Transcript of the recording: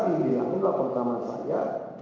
ini adalah pertama saya